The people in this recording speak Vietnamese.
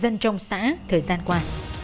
dân trong xã thời gian qua